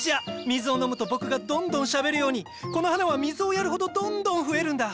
水を飲むと僕がどんどんしゃべるようにこの花は水をやるほどどんどん増えるんだ。